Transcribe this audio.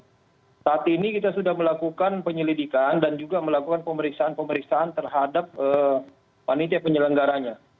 jadi saat ini kita sudah melakukan penyelidikan dan juga melakukan pemeriksaan pemeriksaan terhadap panitia penyelenggaranya